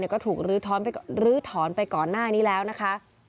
ก็ถูกลื้อถอนไปก่อนหน้านี้แล้วนะคะ